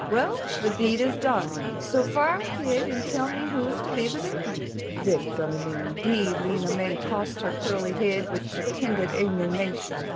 "Well, the deed is done, so fire ahead and tell me who is to be the victim?" "Victim, indeed." Lena May tossed her curly head with pretended indignation.